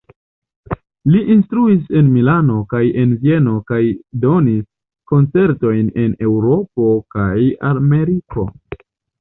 Li instruis en Milano kaj en Vieno kaj donis koncertojn en Eŭropo kaj Ameriko.